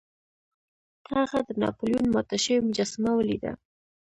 هغه د ناپلیون ماته شوې مجسمه ولیده.